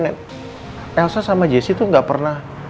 elsa sama jesse tuh gak pernah